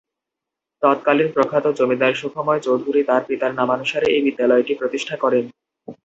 তৎকালীন প্রখ্যাত জমিদার সুখময় চৌধুরী তার পিতার নামানুসারে এই বিদ্যালয়টি প্রতিষ্ঠা করেন।